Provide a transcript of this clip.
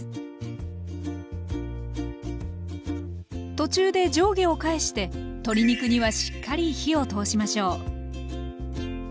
途中で上下を返して鶏肉にはしっかり火を通しましょう。